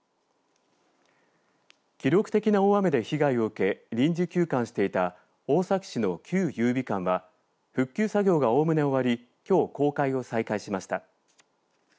記録的な大雨で被害を受け臨時休館していた大崎市の旧有備館は復旧作業がおおむね終わりきょう、公開を再開しました。